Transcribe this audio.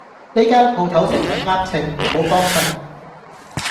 呢間舖頭成日呃秤，唔好幫襯